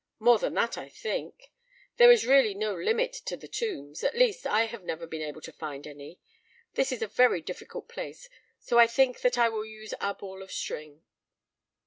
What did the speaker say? "More than that, I think. There is really no limit to the tombs—at least, I have never been able to find any. This is a very difficult place, so I think that I will use our ball of string."